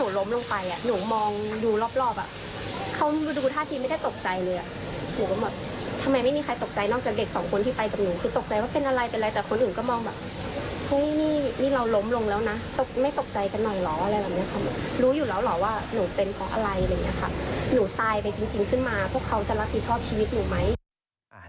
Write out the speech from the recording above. หนูตายไปจริงขึ้นมาเพราะเขาจะรักษีชอบชีวิตหนูไหม